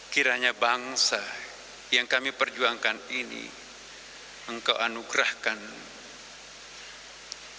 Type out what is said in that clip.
kiranya bangsa yang kami perjuangkan ini mengkoanugerahkanmu